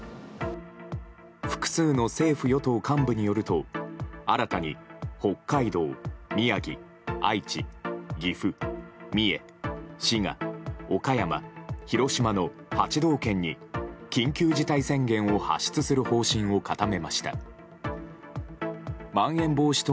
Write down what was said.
複数の政府・与党幹部によると新たに北海道、宮城、愛知、岐阜三重、滋賀、岡山、広島の８道県に緊急事態宣言を発出する方針を固めました。